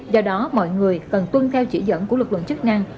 do đó mọi người cần tuân theo chỉ dẫn của lực lượng chức năng